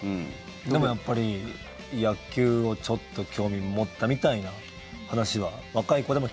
でもやっぱり、野球をちょっと興味持ったみたいな話はそうね。